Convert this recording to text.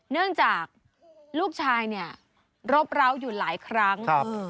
เนื่องจากลูกชายเนี่ยรบร้าวอยู่หลายครั้ง